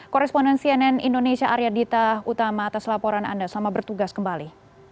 koresponden cnn indonesia arya dita utama atas laporan anda selamat bertugas kembali